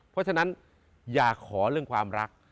เพราะฉะนั้นอย่าขอเรื่องความรัก